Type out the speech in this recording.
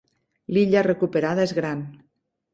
L'illa recuperada és gran.